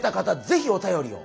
ぜひお便りを。